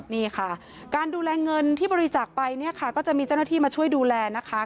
นี่ค่ะการดูแลเงินที่บริจาคไปเนี่ยค่ะก็จะมีเจ้าหน้าที่มาช่วยดูแลนะคะ